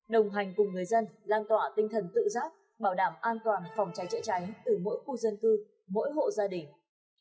đồng hành cùng người dân lan tỏa tinh thần tự giác bảo đảm an toàn phòng cháy chữa cháy từ mỗi khu dân cư mỗi hộ gia đình